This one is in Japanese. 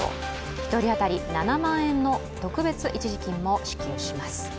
１人当たり７万円の特別一時金も支給します。